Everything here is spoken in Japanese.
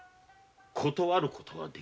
断ることはできんぞ。